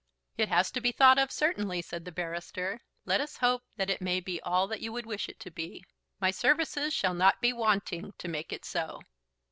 "It has to be thought of, certainly," said the barrister. "Let us hope that it may be all that you would wish it to be. My services shall not be wanting to make it so."